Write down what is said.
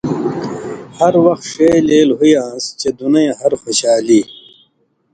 ہر وخ ݜے لِیل ہُویان٘س چےۡ دُنئِیں ہر خوشالی